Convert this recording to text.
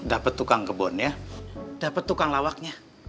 dapet tukang kebunnya dapet tukang lawaknya